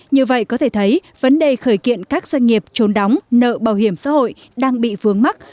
như vậy có thể thấy vấn đề khởi kiện các doanh nghiệp trốn đóng nợ bảo hiểm xã hội đang bị vướng mắt